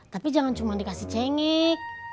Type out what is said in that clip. tapi jangan cuma dikasih cengek